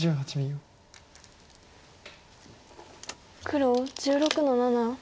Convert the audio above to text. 黒１６の七ツギ。